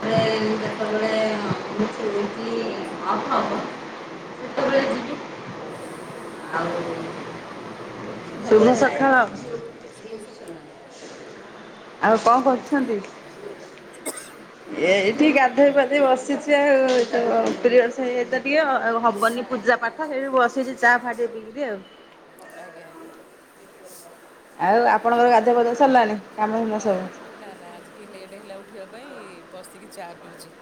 ସେତେବେଳେ ଯେତେବେଳେ ହଁ ମୁଁ ଶୁଭୁଚି ହଁ ହଁ। ଯେତେବେଳେ ଯିବୁ ଶୁଭ ସଖାଳ‌‌। ସୁୁବ ସକାଳ ଆଜ୍ଞା। ଆଉ କଣ କରୁଛନ୍ତି? ଏଇଠି ଗାଧୋଇ ପାଧୋଇ ବସିଛି, ଆଉ ଏ ଟିକେ ଆଉ ହବନି ପୂଜା ପାଠ କ ବସେଇଛି ଚା ଫାଟ ପିକ ଆଉ। ଆଜ୍ଞା ଆଜ୍ଞା। ଆଉ ଆପଣଙ୍କର ଗାଧଆ ପଧଆ ସରିଲାଣି କାମ ସୁନ୍ଦ ସବୁ ଉଠିବା ପାଇଁ ବସିକି ଚା ପିଉଛି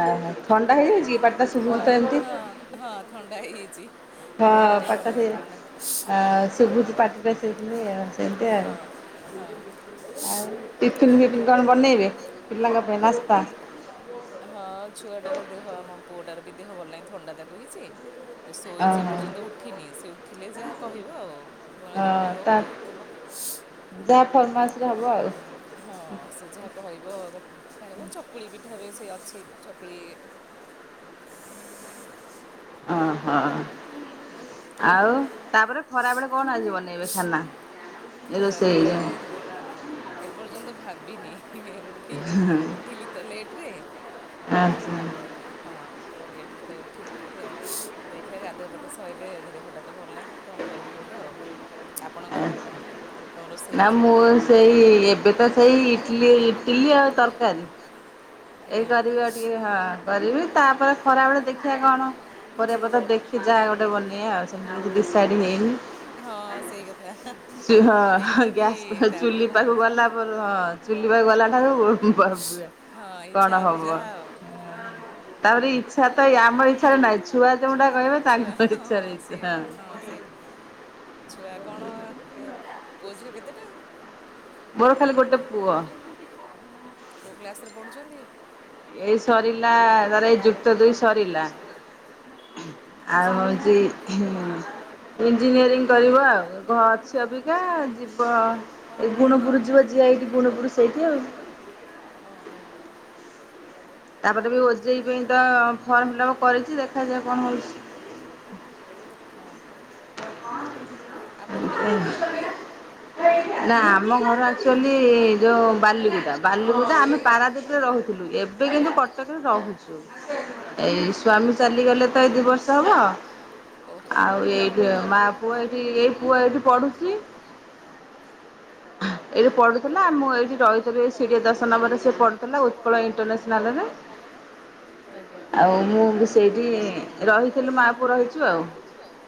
ଆ ଥଣ୍ଡା ହେଇଯ ଜିରା ହଁ ହଁ ହଁ ଥଣ୍ଡା ହେଇଛି। ହଁ ପଟ ଦେଇ ଆ ସୁଗୁଛି ପାଟିରେ ସେ ସେମତି ଆଉ ଆଉ। ଟିଫନ୍ କଣ ବନେଇବେ ପିଲାଙ୍କ ପାଇଁ ହଁ ଛୁଆଟାର ଦେହ ଆ ମମ ପୁଅଟାର ବି ଦେହ ଭଲ ନାହିଁ ଥଣ୍ଡା ତାକୁ ହେଇଛି ଶୋଇଛି ଏ ପର୍ଯ୍ୟନ୍ତ ଉଠିନି, ସେ ଉଠିଲେ ଯାହା କହିବ ଆଉ ଇପି ହଉ କି ଉପମା ଯାହା ଫର୍ମାସରେ ହବ ଆଉ। ହଁ ସେ ଯାହା କହିବ ଖାଇବ ଚକୁଳି ପିଠା ବି ଅଫଛି ଚକଳି ହ ହଁ। ଆଉ ତାପରେ ଖରା ବେଳେ କଣ ଆଜି ବନେଇବେ ଖାନା? ଖରାବେଳେ ଏପର୍ଯ୍ୟନ୍ତ ଭାବିନି ଉଠି ଉଠିଲି ତ ଲେଟ୍ରରେ ଆଉ ହଁ ଟରେ ତ ଉଠିଲି ଆଉ। ଦେଖିଆ ଗାଧୁଆ ପାତ ସରଲେ ଦେହଟା ତ ଭଲ ନାହିଁ, କଣ କରିବି ଗୋଟେ ଆଉ ଆପଣଙ୍କର? ନା ମୁଁ ସେଇ ଏବେ ତ ସେଇ ଇଟ ଇଟିଲି ଆଉ ତରକାରୀ ଏଇ କରିବି ଆଉ ଟିକେ ହଁ କରିବି ତାପରେ ଖରା ବେଳେ ଦେଖିବା କଣ ପରେ ପ ତ ଦେଖି ଯା ଗୋଟେ ବନେଇ ଆଉଛିନା ଡି ସାଇଡ଼ ହେଇନି। ହଁ ସେଇ କଥା। ହଁ ଗ୍ୟାସ୍ ଚୁଲି ପାଖ ଗଲା ପରେ ହଁ ଚୁଲି ପା ଗଲା ଠାରୁ ହଁ ଇଚ୍ଛା ହବ ଯାହା ଆଉ ଆ ହଁ ସେ ହଁ ସେ ଛୁଆ କଣ ପୁଅଝିବ କେତେ ଟଙ୍କା କଣ ମୋର ଖାଲି ଗୋଟେ ପୁଅ। କଉ କ୍ଲାସ ରେ ପଢୁଛନ୍ତି? ଏଇ ସରିଲା ତାର ଏଇ ଯୁକ୍ତ ଦୁଇ ସରିଲା। ଆଉ ହେଉଛି ଇଞ୍ଜିନିୟରିଂ କରିବ ଆଉ ଅଛି ଅପିକା ଯିବ ଗୁଣ ବୁରୁ ଯିବ ଯ ଏଇଠି ଗୁଣବୁରୁ ସେଇଠି ଆଉ। ଓହୋ। ତାପରେ ବି ଓଜେଇ ପାଇଁ ତ ଫର୍ମ ଫିଲପ କରିଛି, ଦେଖାଯାଏ କଣ ହଉଛି? ହଁ। ଆପଣଙ୍କର କଟକ କି? ନା ଆମ ଘର ଆଚୁଆଲି ଯୋଉ ବାଲିକୁଜା ବାଲିକୁଜା ଆମେ ପାରାଦ୍ୱୀପରେ ରହୁଥିଲୁ। ଏବେ କିନ୍ତୁ କଟକରେ ରହୁଛୁ ଏଇ ସ୍ଵାମୀ ଚାଲିଗଲେ ତ ଏଇ ଦୁ ବର୍ଷ ହବ। ଆଉ ଏଇଠି ମା ପୁଅ ଏଇଠି ଏଇ ପୁଅ ଏଇଠି ପଢୁଛି। ଏଇଠି ପଢ଼ୁଥିଲା, ମୁଁ ଏଇଠି ରହିଥିଲି ସିଡ଼ିଏ ଦଶ ନମ୍ବରରେ ସେ ପଢ଼ୁଥିଲା ଉତ୍କଳ ଇଣ୍ଟରନ୍ୟାସନାଲରେ ଆଜ୍ଞା ଆଉ ମୁଁ ସେଇଠି ରହିଥିଲି ମା ପୁ ରହିଛି ଆଉ।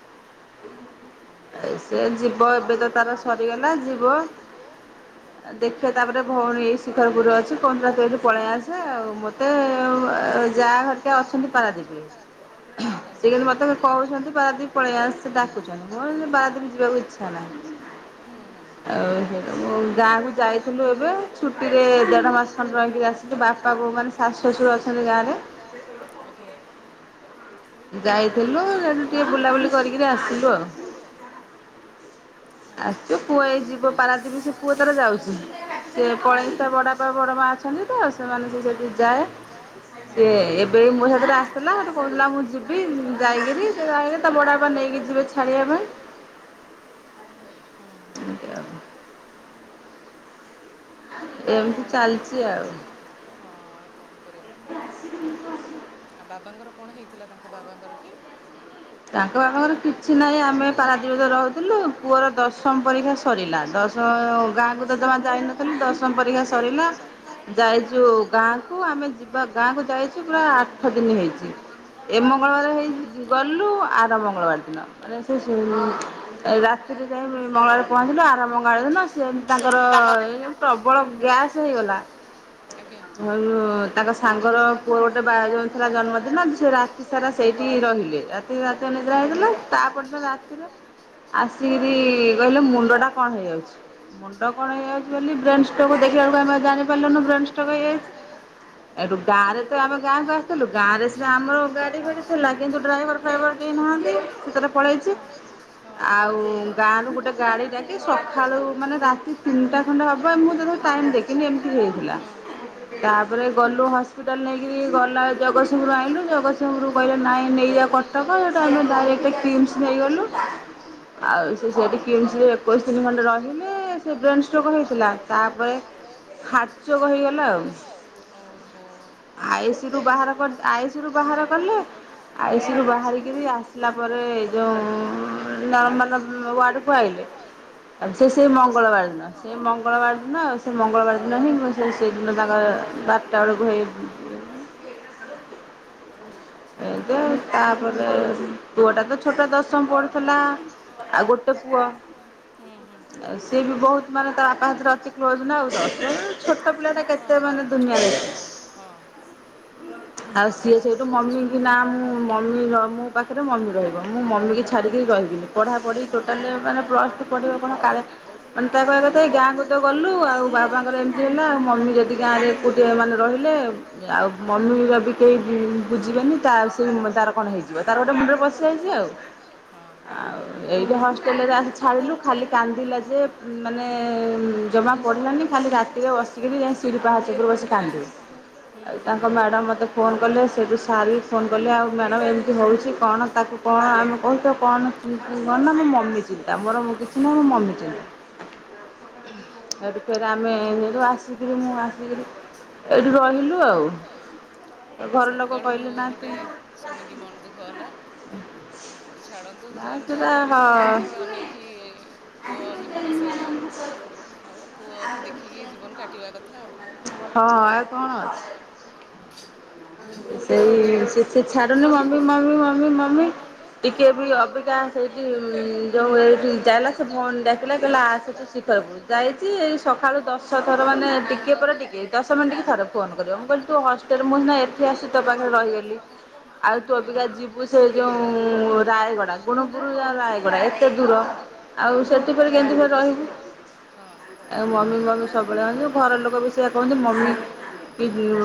ଏ ସେ ଯିବ ଏବେ ତ ତାର ସରିଗଲା ଯିବ। ହଁ। ଦେଖେ ତାପରେ ଭଉଣୀ ଏଇ ଶିଖର ଗୁରୁ ଅଛି, କଣ ରା ତ ଏଇଠି ପଳେଇ ଆସେ ଆଉ ମତେ ଆ ଯାହା ଘରିକେ ଅଛନ୍ତି ପାରାଦୀପୀ। ସେୁ ମତେ କହୁଛନ୍ତି, ପାରଦୀ ପଳେଇ ଆସ ଡାକୁଛନ୍ତି ମ ବାହାଦରୁ ଯିବାକୁ ଇଚ୍ଛା ନାହି ଆଉ। ଗାଁକୁୁ ଯାଇଥିଲୁ ଏବେ ଛୁଟିରେ ଦେଢ ମାସ ଖଣ୍ଡେ ରହିକିରି, ଆସିଲୁ ବାପା ବୋଉ ମାନେ ଶାଶୁ ଶା ଅଛନ୍ତି ଗାଁରେ ଆଜ୍ଞା। [inaudible] ଯାଇଥିଲୁ ସେଠୁ ଟିକେ ବୁଲାବୁଲି କରିକିରି ଆସିଥିଲୁ ଆଉ। ଆଛା। ଅଛନ୍ତି ତ ସେମାନେ ସେ ଯଠି ଯାଏ ସିଏ ଏବେ ମୋ ସାଥିରେ ଆସିଥିଲା ଗଟେ କହୁଥିଲା ମୁଁ ଯିବି ଯାଇକିରି ତା ବଡ ଆର ନେଇକି ଯିବେ ଛାଡିବା ପାଇଁ। [inaudible] ଆଉ କଣ? ହଁ, ଆଉ କଣ କରିଆ? ଆଉ ବାବାଙ୍କର କଣ ହେଇଥିଲା, ତାଙ୍କ ବାବାଙ୍କର କି? ତାଙ୍କ ବାପାଙ୍କର ର କିଛି ନାହିଁ। ଆମେ ପାରାଦୀପରେ ତ ରହୁଥିଲୁ ପୁଅର ଦଶମ ପରୀକ୍ଷା ସରିଲା। ଦ ଦଶମ ଗାଁକୁ ତ ଜମା ଯାଇନଥିଲି। ଦଶ ମ ପରୀକ୍ଷା ସରିଲା ଯାଇଛୁ ଗାଁକୁ ଆମେ ଯିବା ଗାଁକୁ ଯାଇଛୁ ପୁରା ଆଠ ଦିନ ହେଇଛି, ଏ ମଙ୍ଗଳବାର ହେଇ ଗଲୁ, ଆ ଆର ମଙ୍ଗଳବାର ଦିନ, ମାନେ ସେ ସୁ -ଉ ରାତିରେ ଯାଇ ମଙ୍ଗଳଆର ପହଞ୍ଚିଲୁ। ଆର ମଙ୍ଗଳ ଦିନ ଏ ସେମ୍ ତାଙ୍କର ଏ ପ୍ରବଳ ଗ୍ୟାସ୍ ହେଇଗଲା। ଆଉ ତାଙ୍କ ସାଙ୍ଗର ପୁଅ ଗୋଟେ ବାୟ ଯୋଉ ଥିଲା ଜନ୍ମଦିନ, ସେ ରାତି ସାରା ସେଇ ସେଇଠି ରହିଲେ। ରାତ୍ ରାତି ରାତି ଅନିଦ୍ରା ହେଇଗଲେ। ତାପରେ ତ ରାତିରେ ଆସିକିରି କହିଲେ, ମୁଣ୍ଡ ଟା କଣ ହେଇ ମୁଣ୍ଡ କଣ ହେଇଯାଉଛି, ବୋଲି ବ୍ରେନ୍ ଷ୍ଟ୍ରୋକ ବ୍ରେନ୍ ଷ୍ଟ୍ରୋକ! ଦେଖିଲା ବେଳକୁ ଆମେ ଆଉ ଜାଣିପାରିଲୁନି, ବ୍ରେନ୍ ଷ୍ଟ୍ରୋକ ହେଇଯାଇଛି। ଏଠୁ ଗାଁରେ ତ, ଆମେ ଗାଁକୁ ଆସିଥିଲୁ। ଗାଁରେ ସେ ଆମର ଗାଡି ଫାଡି ଥିଲା। କିନ୍ତୁ ଡ୍ରାଇଭର ଡ୍ରାଇଭର କେହି ନାହାଁନ୍ତି? ସେ ତାର ପଳେଇଚି। ଆଉ ଗାଁରୁ ଗୋଟେ ଗାଡ଼ି ଡାକି ସଖାଳୁ ମାନେ ରାତି ତିନିଟା ଖଣ୍ଡେ ହବ। ଏ ମୁଁ ଟାଇମ୍ ଦେଖିନି ଏମିତି ହେଇଥିଲା। ତାପରେ ଗଲୁ ହସ୍ପିଟାଲ ନେଇକିରି ଗଲା ଜଗ ସିଂପୁର ଆଇଁଲୁ, ଜଗତସିଂହପୁରୁ କହିଲେ, ନାଇଁ ନେଇ ଯାଅ କଟକ। ନେଇଆ କଟକ, ହେଠୁ ଆମେ ଡାଇରେକ୍ଟ କିମ୍ସ ନେଇଗଲୁ। ଆଉ ସେ ସେଠି କିମ୍ସ ରେ ଏକୋଇଶ ଦିନ ଖଣ୍ଡେ ରହିଲେ, ସେ ବ୍ରେନ୍ ଷ୍ଟ୍ରୋକ୍ ହେଇଥିଲା ତା ତାପରେ ହାର୍ଟ ଚୋକ୍ ହେଇଗଲା ଆଉ। ଓହୋ! ଆଇଷୁ ରୁ ବାହାର କରି ଆଇଷୁ ରୁ ବାହାର କଲେ ଆଇଷୁ ରୁ ବାହାର ବାହାରିକିରି ଆସିଲା ପରେ ଯୋଉ-ଉ-ଉ ନର୍ମାଲ ୱାର୍ଡ଼କୁୁଆଇଲେ। ଆଉ ସେ ସେଇ ମଙ୍ଗଳବାର ଦିନ! ସେଇ ମଙ୍ଗଳବାର ଦି ନ, ସେ ମଙ୍ଗଳବାର ଦିନ ହିଁ, ମୁଁ ସେ ସେଇଦିନ ତାଙ୍କର ବାରଟା ବେଳକୁ ହେଇ [inaudible] ଏଁ ତି ତାପରେ ପୁଅଟା ତ ଛୋଟ ଦଶମ ପଢୁଥୁଲା। ଆଉ ଗୋଟେ ପୁଅ ଆଉ ସିଏ ବି ବହୁତ ମାନେ, ତା ବାପା ହାତରେ ଅତି କ୍ଲୋଜ ନା ଆଉ। ଅତି ଛୋଟ ପିଲାଟା କେତେ ମାନେ ଦୁନିଆ ଦେ ହଁ, ହଁ। ଆଉ ସିଏ। ମମି କି ନା ମୁଁ, ମମି ମୋ ପାଖରେ ମମି ରହିବ। ମୁଁ ମମି କି ଛାଡ଼ିକି ରହିବିନି। ପଢ଼ା ପଢ଼ି ଟୋଟାଲି ମାନେ ପ୍ଲସ୍ ଟୁ ପଢିବ କଣ? କାଳେ ମାନେ ତା କହିବା କଥା ଏଇ ଗାଁକୁ ତ ଗଲୁ, ଆଉ ବାବାଙ୍କର ଏମିତି ହେଲା, ଆଉ ମମି ଯଦି ଗାଁରେ ଏକୁଟିଆ ମାନେ ରହିଲେ। ଆଉ ମମିର ବି କେହି ଉ ବୁଝିବେନି। ତା ସେ ତାର କଣ ହେଇଯିବ, ତାର ଗୋଟେ ମୁଣ୍ଡରେ ପଶିଯାଇଛି ଆଉ। ଆଉ ଏଇ ହଷ୍ଟେଲରେ ଆସି ଛାଡ଼ିଲୁ, ଖାଲି କାନ୍ଦିଲା ଯେ, ମାନେ ଜମା ପଢିଲାନି। ଖାଲି ରାତ ତିରେ ବସିକିରି ଯାଇଁ ସିଡ଼ି ପାହାଚ ଉପରେ ବସି କାନ୍ଦେ। ଆଉ ତାଙ୍କ ମ୍ୟାଡମ ମତେ ଫୋନ୍ କଲେ ସାରିକି ଫୋନ୍ କଲି ଆଉ ମ୍ୟାଡ଼ମ୍ ଏମିତି ହଉଛି କଣ ତାକୁ କଣ ଆମେ [unintelligible] ମମି ଚିନ୍ତା ମୋର କିଛି ନାହିଁ। ମୋ ମମି ଚିନ୍ତା। ହେଠୁ ଫେର୍ ଆମେ ହେଠୁ ଆସିକିରି, ମୁଁ ଆସିକିରି ଏଇଠି ରହିଲୁ ଆଉ। ଘର ଲୋକ ଆଉ ଗୋଟେ ଶୁଣିକି ମନ ଦୁଃଖ ହେଲା। ହଉ ଛାଡନ୍ତୁ। ଭଗବାନ ଯାହା କରିବେ ପୁଅଟିକି ଅନେଇକି ପୁଅ ହିଁ ମଣିଷ [inaudible] ହଉ ପୁଅକୁ ଦେଖିକି ଜୀବନ କାଟିବା କଥା ଆଉ। [inaudible] ସେଇ ସେ ସେ ଛାଡୁନି ମମି ମମି ମମି ମମି ଟିକେ ବି ଅବିକା ସେଇଠି ହୁଁ ମ୍-ଉ, ଯଉ ଏଇଠି ଯାଲା, ସେ ଭଉଣୀ ଡାକିଲା କହିଲା ଆସେ ତୁ ଶୀଖରପୁରୁ ଯାଇଚି। ଚି ସକାଳୁ ଦଶ ଥର ମାନେ ଟିକେ ପରେ ଟିକେ, ଦଶ ମିନ୍ଟି କି ଥରେ ଫୋନ୍ କରିବ। ମୁଁ କହିଲି ତୁ ହଷ୍ଟେଲ ମୁଁ ନା ଏଠି ଆସ୍ ପାଖରେ ରହିଗଲି ଆଉ ଯଦିକା ଯିବୁ ସେ ଯୋଉ ରାୟଗଡ଼ା, ଗୁଣପୁର ରାୟଗଡା ଏତେ ଦୂର ଆଉ ସେଥି ପୁଣି କେତେ ଦିନ ରହିବୁ। ଆଉ ମମି ମମି ସବୁବେଳେ ହନ୍ତି, ଘର ଲୋକ ବି ସେଇଆ କୁହନ୍ତି, ମମି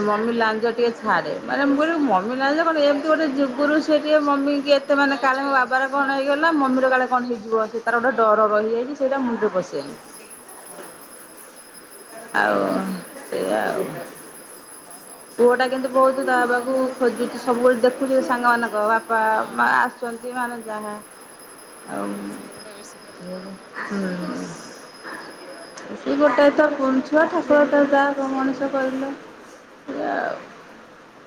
ମମି ଲାଜ ଟିକେ କେ ଛାଡ଼େ ମାନେ, ମୁଁ କହିନି ମମି ନାଁଲେ କଣ, ଏମିତି ଗୋଟେ ଯୁଗୁରୁ ସେଇ ଟି ମମି ଏତେ ମାନେ କାଳେ ମୋ ବାବା କଣ ହେଇଗଲା ମମି ର କାଳେ କଣ ହେଇଯିବ, ସେ ତାର ଗୋଟେ ଡର ରହିଯାଇଛି, ସେଇଟା ମୁଣ୍ଡରେ ପଶିଯାଇଛି। ହଁ। ଆଉ ସେଇୟା ଆଉ ହଁ ହଉ ଛାଡନ୍ତୁ। ଆସୁଛନ୍ତି ମାନେ, ଯାହା ଆଉ ହୁଁ ସେ ଗୋଟେତ [unintelligible] ଛୁଆ ଠାକୁର ଟା ଯା କ ମଣିଷ କହିଲ ଆ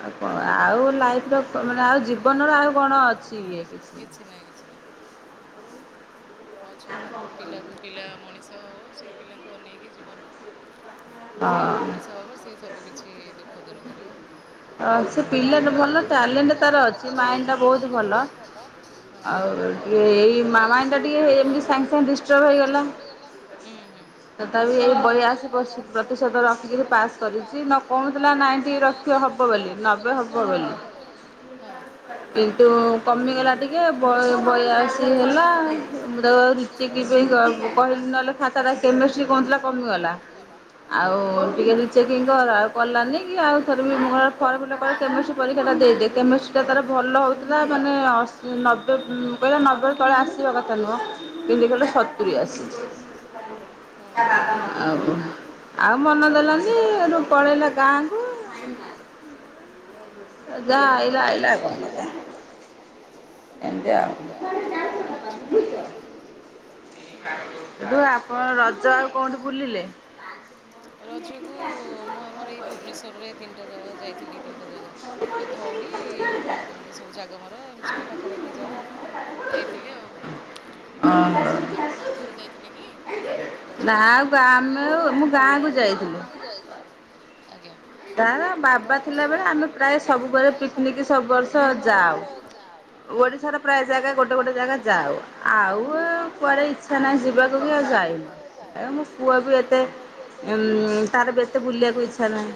ଆଉ କଣ? ଆଉ ଲାଇଫ ର ମାନେ ଆଉ ଜୀବନର ଆଉ କଣ ଅଛି କି ନାଇ କିଛି ନାଇ ହ [unintelligible] ହଉ ଛାଡ଼ନ୍ତୁ, ପିଲାକୁ ପିଲା ମଣିଷ ହଉ, ସେ ପିଲାଙ୍କୁ ଅନେଇକି ଜୀବନ ସିଏ ହିଁ ମଣିଷ ହବ, ସିଏ ସବୁ କିିଛି ଦୁଃଖ ଦୂର କରିବ ସେ ପିଲାଟା ଭଲ ଟ୍ୟାଲେଣ୍ଟ ତାର ଅଛି, ମାଇଣ୍ଡଟା ବହୁତ ଭଲ ଆଉ ଟିକେ ଏଇ ମାମା ଟା ଟିକେ ଏମତି ସାଙ୍ଗେ ସାଙ୍ଗେ ଡିଷ୍ଟର୍ବ ହେଇଗଲା। ତଥାପି ଏଇ ବୟାଅଶୀ ପ୍ରତିଶତ ରଖିକିରି ପାସ୍ କରିଛି। କରିଛି ନାଇ କହୁଥିଲା, ନାଇଁଣ୍ଟୀ ରଖିବ ହବ ବୋଲି ନବେ ହବ ବୋଲି କିନ୍ତୁ କମିଗଲା ଟିକେ ବୟାଅସି ହେଲା, ମୁଁ ତାକୁ ଆଉ ରେଚେକିଂ କହିଲି ନହେଲେ ଖାତା ଟ କେମେଷ୍ଟ୍ରୀ କହୁଥିଲା କମିଗଲା। ଆଉ ଟିକେ ରିଚେକିଁ କର? ଉ କଲାନି, କି ଆଉଥରେ ଫର୍ମ ଫିଲପ୍ କରିକି କେମେଷ୍ଟ୍ରି ପରୀକ୍ଷା ଟା ଦେଇଦେ, କେମିଷ୍ଟ୍ରୀ ତାର ଭଲ ଥିଲା ମାନେ ଅସିଏ ନବେ କହିଲା, ନବେରୁ ତଳେ ଆସିବା କଥା ନୁହଁ, ପିନି କହିଲେ ସତୁରିଆ ଆସିଛି। ହଁ ହୋ ହ ଆଉ ମନ ଦେଲନି, ଏଠୁ ପଳେଇଲା ଗାଁକୁ ଯାହା ଅଇଲା ଅଇଲା, ଆଉ କଣ କରିବା? ଏମତି ଆଉ ଓହୋ, ଆପଣ ରଜ କଣଠୁ ବୁଲିଲେ? ରଜକୁ ମୁଁ ଆମର ଏଇ ଭୁବନେଶ୍ୱରରେ, ଏ ତିନିଟା ଜାଗା ଯାଇଥିଲି, ତିନିଟା ଜାଗା। ଏଇ ଧଉଳି, ଏମିତି ସବୁ ଜାଗମରା, ଏମିତି ସବୁ ପାଖାପାଖି ଯାହା ଯାଇଥିଲି ଆଉ, ହଁ, ଆପଣ କୁଆଡେ ଯାଇଥିଲେ କି? ରଜକୁ? ନା ଆଉ ଗାଁ ଆ ମୁଁ ଗାଁ କୁ ଯାଇଥିଲି। ତାର ବାବା ଥିଲାବେଳେ, ଆମେ ପ୍ରାୟ ସବୁ ପ୍ରାୟ ସବୁ ପରେ ପିକନିକ ସବୁ ବର୍ଷ ଯାଉ, ଓଡିଶାରେ ପ୍ରାୟ ଜାଗା ଗୋଟେ, ଗୋଟେ, ଜାଗା ଆଉ କୁଆରେ ଇଚ୍ଛା ନାହିଁ ଯିବାକୁ ବି ଆଉ ଯାଇନି ଆ, ମୋ ପୁଅ ବି ଏତେ ଏ ତାର ବି ଏତେ ବୁଲିବାକୁ ଇଚ୍ଛା ନାହିଁ।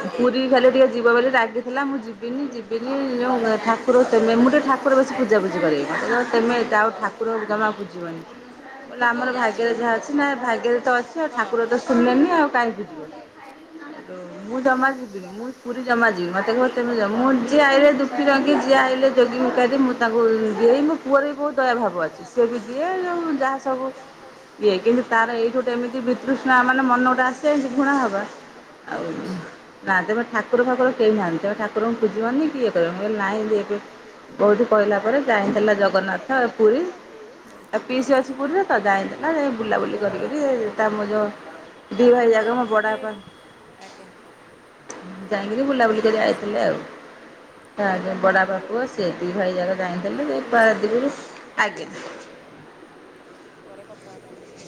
ହଁ ହଁ। ଖେଲେଦିଛି [unintelligible] ଯିବା ବୋଲି ରାଗିଥିଲା, ମୁଁ ଯିବିନି ଯିବିନି, ଠାକୁର ମୁଁ ଟିକେ ଠାକୁର ବେଶ ପୂଜାପୂଜି କରେ। ତ ତମେ ଆଉ ଠାକୁର ଜମା ପୁଜିବନି, ବୋଲେ ଆମର ଭାଗ୍ୟରେ ଯାହା ଅଛି ନା ଭାଗ୍ୟରେ ତ ଭାଗ୍ୟ, ଠାକୁର ତ ଶୁଣିଲେନି ଆଉ କାହିଁ ପୂଜିବ? ମୁଁ ଜମା ଯିବ ପୁରୀ ଜମା ଯିବିନି, ମତେ ଜମା, ମୁଁ ଯିଏ ଆଇଲେ ଦୁଃଖ ରଖି, ଯିଏ ଆଇ ଯୋଗି ମୁଁ ତାଙ୍କୁ ଏଇ ମୋ ପୁଅରେ ବି ବହୁତ ଦୟାଭାବ ଅଛି ସିଏ ବି ଦିଏ, ଯାହା ସବୁ ଇଏ କିନ୍ତୁ ତାର ଏଇ ସେମିତି ବିତୃଷ୍ଣା ମାନେ, ମନ ଗଟେ ଆସି ଯାଇଛି ଘୃଣା ଭାବ, ଆଉ ଠାକୁର ଫାକୁର କେହି ନାହାନ୍ତି, ତେଣୁ ଠାକୁରଙ୍କୁ ଖୋଜିବନି କି ଇଏ କରିବି ହେ ନାଇଁ ବହୁଠ କହିଲା ପରେ ଯାଇଥିଲା ଜଗନ୍ନାଥ ପୁରୀ ଆଉ ପିଇସି ଅଛି, ପୁରୀରେ ତ ଯାଇଥିଲା ବୁଲାବୁଲି କର ତା ମୁ ଯ ଦି ଭାଇ ଯକ ବଡା ହେ ପା ଯାଇକରି ବୁଲାବୁଲି କରି ଆଇଥିଲେ ଆଉ, ବଡା ବାଖୁ ଆସ ଦୁଇ ଭାଇ ଯାକ ଚାଇଣିଁଥିଲି ସେ ଦିଗରୁ ଆଜ୍ଞା। ପରେ କଥା ହେବା ଆ